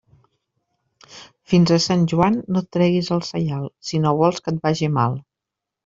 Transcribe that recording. Fins a Sant Joan no et treguis el saial, si no vols que et vagi mal.